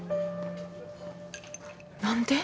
何で？